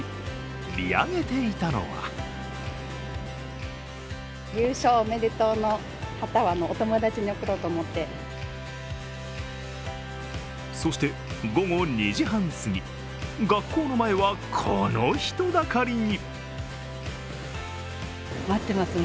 見上げていたのはそして午後２時半すぎ、学校の前はこの人だかりに。